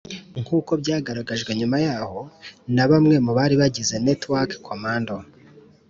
nkuko byagaragajwe nyuma yaho na bamwe mu bari bagize network commando